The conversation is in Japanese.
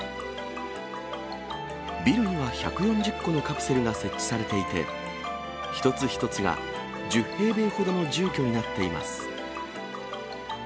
ビルには１４０個のカプセルが設置されていて、一つ一つが１０平米ほどの住居になっています。